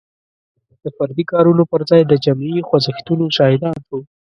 د فردي کارونو پر ځای د جمعي خوځښتونو شاهدان شو.